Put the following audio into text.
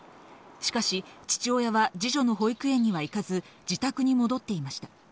しかし父親は二女の保育園には行かず、自宅に戻っていました。